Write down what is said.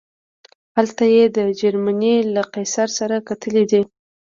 هلته یې د جرمني له قیصر سره کتلي دي.